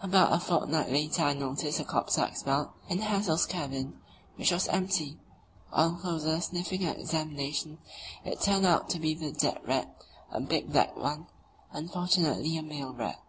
About a fortnight later I noticed a corpse like smell in Hassel's cabin, which was empty. On closer sniffing and examination it turned out to be the dead rat, a big black one, unfortunately a male rat.